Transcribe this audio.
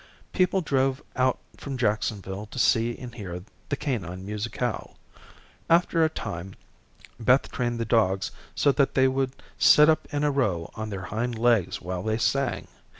People drove out from Jacksonville to see and hear the canine musicale. After a time Beth trained the dogs so that they would sit up in a row on their hind legs while they sang.